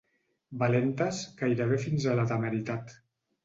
Valentes gairebé fins a la temeritat.